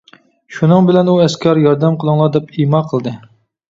شۇنىڭ بىلەن ئۇ ئەسكەر ياردەم قىلىڭلار دەپ ئىما قىلدى.